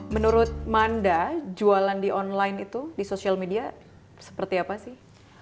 menurut manda jualan di online itu di sosial media seperti apa sih